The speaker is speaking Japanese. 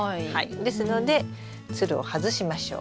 ですのでツルを外しましょう。